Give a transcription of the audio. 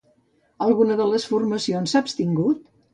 Alguna de les formacions s'ha abstingut?